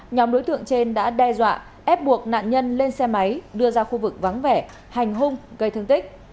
nhóm đối tượng trên đã đe dọa ép buộc nạn nhân lên xe máy đưa ra khu vực vắng vẻ hành hung gây thương tích